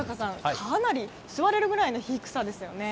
座れるくらいの低さですよね。